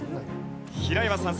平岩さん